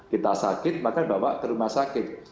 kita sakit maka bawa ke rumah sakit